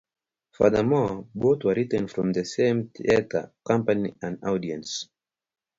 Furthermore, both were written for the same theatre company and audience.